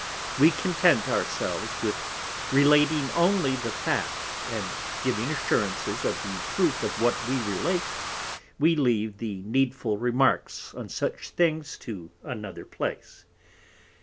_ _We content our selves with relating only the Fact, and giving Assurances of the Truth of what we Relate, we leave the needful Remarks on such Things to another place.